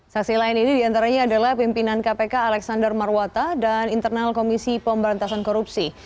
saksi lain ini diantaranya adalah pimpinan kpk alexander marwata dan internal komisi pemberantasan korupsi